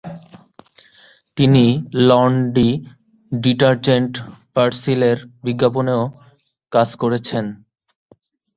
তিনি laundry detergent পারসিলের বিজ্ঞাপনেও কাজ করেছেন।